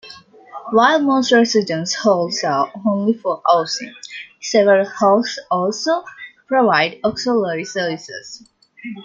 While most residence halls are only for housing, several halls also provide auxiliary services.